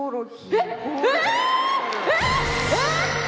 えっ！